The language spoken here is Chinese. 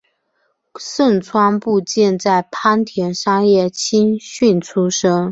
牲川步见在磐田山叶青训出身。